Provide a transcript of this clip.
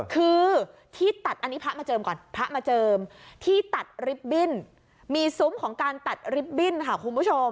คือที่ตัดอันนี้พระมาเจิมก่อนพระมาเจิมที่ตัดลิฟต์บิ้นมีซุ้มของการตัดลิฟต์บิ้นค่ะคุณผู้ชม